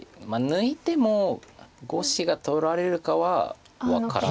抜いても５子が取られるかは分からないですけど。